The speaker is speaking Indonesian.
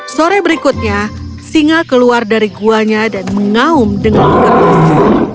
sore berikutnya singa keluar dari guanya dan mengaum dengan keras